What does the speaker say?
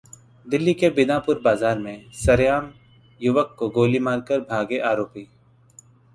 दिल्ली के बिंदापुर बाजार में सरेआम युवक को गोली मारकर भागे आरोपी